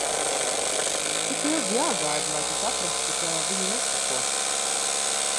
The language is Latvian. Cik ilgi jāgaida, lai tu saprastu, ka viņi neseko?